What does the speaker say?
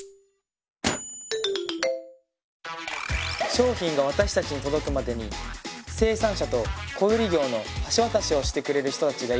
商品が私たちに届くまでに生産者と小売業の橋渡しをしてくれる人たちがいるんだって。